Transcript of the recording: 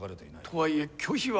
とはいえ拒否は。